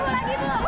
oke lagibu lagibu